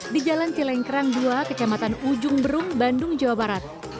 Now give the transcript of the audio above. di jalan cilengkrang dua kecamatan ujung berung bandung jawa barat